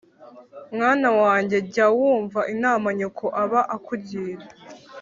Mwana wanjye jya wumva inama nyoko aba akugira